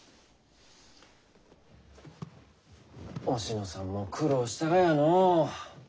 おしのさんも苦労したがやのう。